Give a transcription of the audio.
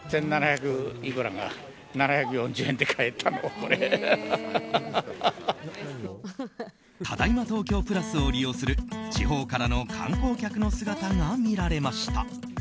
ただいま東京プラスを利用する地方からの観光客の姿が見られました。